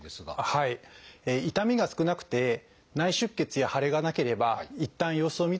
痛みが少なくて内出血や腫れがなければいったん様子を見てもいいと思います。